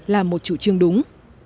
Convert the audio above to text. là một chủ trương đúng